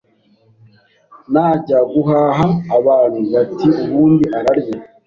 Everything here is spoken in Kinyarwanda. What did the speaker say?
najya guhaha abantu bati ubundi ararya